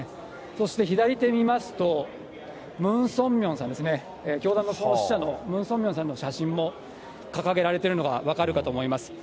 そして左手見ますと、ムン・ソンミョンさんですね、教団の創始者のムン・ソンミョンさんの写真も掲げられているのが分かると思います。